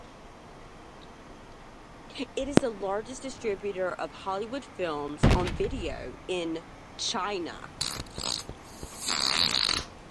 It is the largest distributor of Hollywood films on video in China.